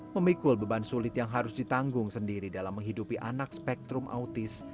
memikul beban sulit yang harus ditanggung sendiri dalam menghidupi anak spektrum autis